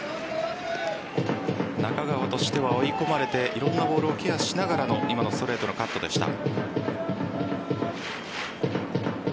中川としては追い込まれていろんなボールをケアしながらの今のストレートのカットでした。